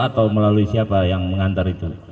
atau melalui siapa yang mengantar itu